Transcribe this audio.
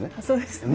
そうです。